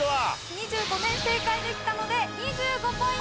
２５年正解できたので２５ポイント獲得です。